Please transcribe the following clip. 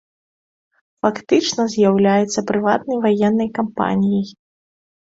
Фактычна, з'яўляецца прыватнай ваеннай кампаніяй.